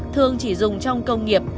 thường chỉ dùng trong công nghiệp